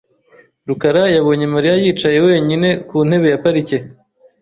rukara yabonye Mariya yicaye wenyine ku ntebe ya parike .